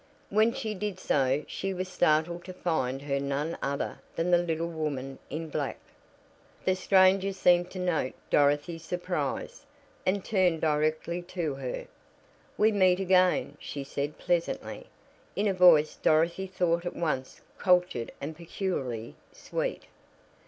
When she did so, she was startled to find her none other than the little woman in black. The stranger seemed to note Dorothy's surprise, and turned directly to her. "We meet again," she said pleasantly, in a voice Dorothy thought at once cultured and peculiarly sweet.